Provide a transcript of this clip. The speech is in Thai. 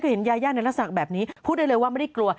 เห็นยาย่าในลักษณะแบบนี้พูดได้เลยว่าไม่ได้กลัว